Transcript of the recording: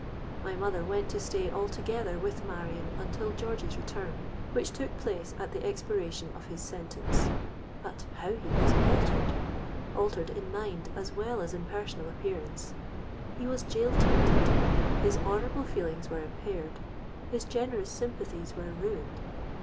My mother went to stay altogether with Marion until George's return, which took place at the expiration of his sentence. But how he was altered!—altered in mind as well as in personal appearance. He was gaol tainted: his honourable feelings were impaired—his generous sympathies were ruined.